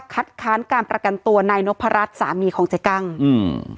คัดค้านการประกันตัวนายนพรัชสามีของเจ๊กั้งอืม